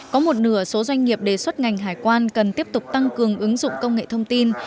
có một nửa số doanh nghiệp đề xuất ngành hải quan cần tiếp tục tăng cường ứng dụng công nghệ thông tin